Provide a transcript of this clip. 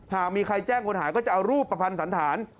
หากมีใครแจ้งคนหายก็จะเอารูปประพันธ์สันฐาน